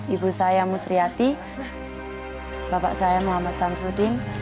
ibu saya musriyati bapak saya muhammad samsudin